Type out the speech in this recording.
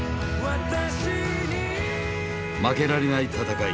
負けられない戦い。